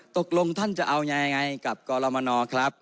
ตกลงท่านจะเอายังไงกับกรมนครับ